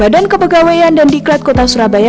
badan kepegawaian dan diklat kota surabaya